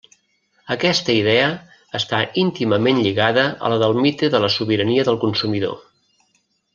Aquesta idea està íntimament lligada a la del mite de la sobirania del consumidor.